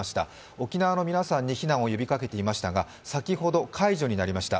沖縄の皆さんに避難を呼びかけていましたが先ほど、解除になりました。